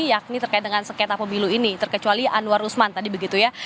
yakni terkait dengan sengketa pemilu ini terkecuali anwar usman tadi begitu ya